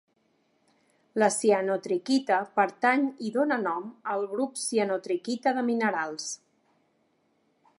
La cianotriquita pertany i dóna nom al grup cianotriquita de minerals.